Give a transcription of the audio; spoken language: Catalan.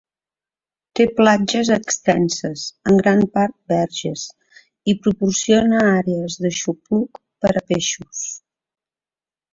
Té platges extenses, en gran part verges, i proporciona àrees d'aixopluc per a peixos.